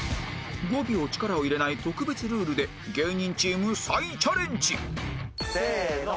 ５秒力を入れない特別ルールで芸人チーム再チャレンジせーの。